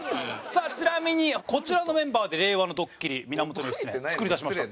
さあちなみにこちらのメンバーで令和のドッキリ源義経作り出しました。